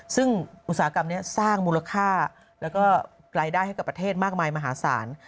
ซึ่งอุตสาหกรรมนี้สร้างมูลค่าแล้วก็รายได้ให้กับประเทศมากมายมหาศาล